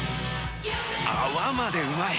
泡までうまい！